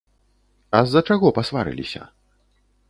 А з-за чаго пасварыліся?